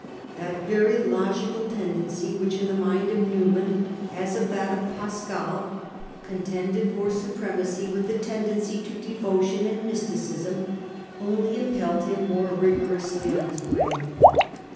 That very logical tendency, which in the mind of Newman as of that of Pascal contended 214 A HISTORY OF OUK OWN TIMES. cn. x. for supremacy with the tendency to devotion and mysticism, only impelled him more rigorously on his way.